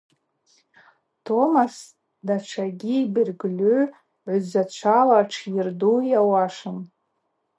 Томас датшагьи йбергьльу гӏвзачвала тшйырду йауашын.